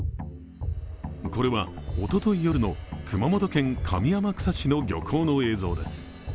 これは、おととい夜の熊本県上天草市の漁港の映像です。